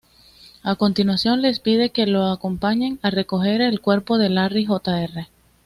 A continuación, les pide que lo acompañen a recoger el cuerpo de Larry Jr.